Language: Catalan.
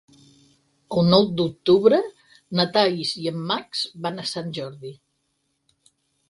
El nou d'octubre na Thaís i en Max van a Sant Jordi.